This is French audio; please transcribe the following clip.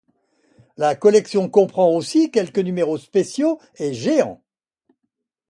La collection comprend aussi quelques numéros spéciaux et géants.